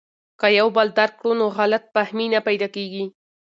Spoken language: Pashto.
که یو بل درک کړو نو غلط فهمي نه پیدا کیږي.